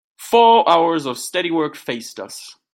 Four hours of steady work faced us.